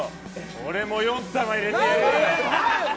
俺も４玉入れてやるよ！